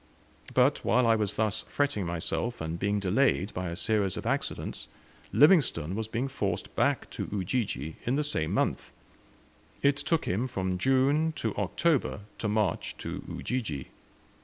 But while I was thus fretting myself, and being delayed by a series of accidents, Livingstone was being forced back to Ujiji in the same month. It took him from June to October to march to Ujiji.